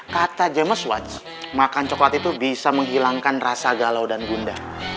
kata james watch makan coklat itu bisa menghilangkan rasa galau dan gunda